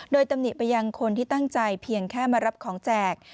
โดยตำหนิไปยังคนที่ตั้งใจเพียงแค่มารับของแจก